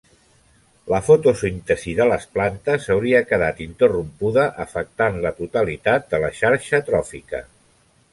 La fotosíntesi de les plantes hauria quedat interrompuda, afectant la totalitat de la xarxa tròfica.